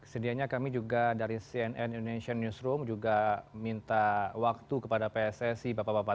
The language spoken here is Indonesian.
sedianya kami juga dari cnn indonesian newsroom juga minta waktu kepada pssi bapak bapak